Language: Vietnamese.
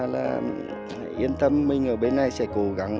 là yên tâm mình ở bên này sẽ cố gắng